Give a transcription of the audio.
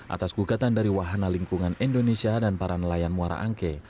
atas gugatan dari wahana lingkungan indonesia dan para nelayan muara angke